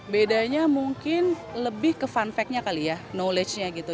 bedanya mungkin lebih ke fun fact nya kali ya knowledge nya gitu